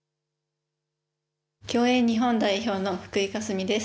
競泳日本代表の福井香澄です。